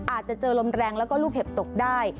อาจจะเจอลมแรงแล้วก็ลูกเห็บตกได้